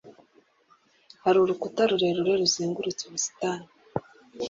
Hariho urukuta rurerure ruzengurutse ubusitani.